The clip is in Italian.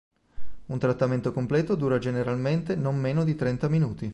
Un trattamento completo dura generalmente non meno di trenta minuti.